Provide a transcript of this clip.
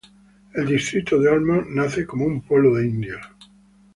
El distrito de olmos nace como un pueblo de indios.